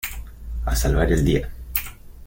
A salvar el día.